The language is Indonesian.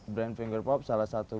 brand finger pop salah satu